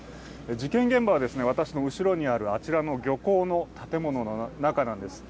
事件現場は私の後ろのある漁港の建物の中なんです。